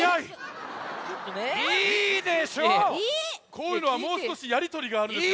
こういうのはもうすこしやりとりがあるんですが。